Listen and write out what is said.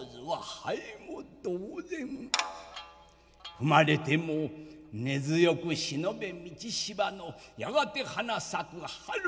『踏まれても根強く忍べ路芝のやがて花咲く春は来ぬべし』。